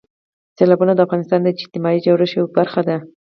سیلابونه د افغانستان د اجتماعي جوړښت یوه برخه ده.